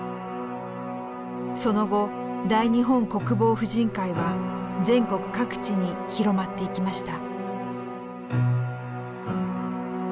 その後大日本国防婦人会は全国各地に広まっていきました。